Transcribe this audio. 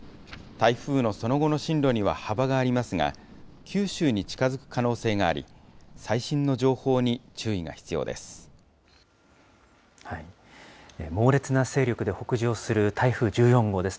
台風のその後の進路には幅がありますが、九州に近づく可能性があり、最新の情報に注意が必要です。